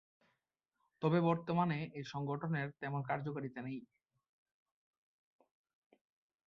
তবে বর্তমানে এই সংঘটনের তেমন কার্যকারিতা নেই।